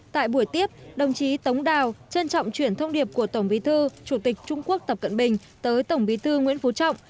tại buổi tiếp đồng chí tống đào trân trọng chuyển thông điệp của tổng bí thư chủ tịch trung quốc tập cận bình tới tổng bí thư nguyễn phú trọng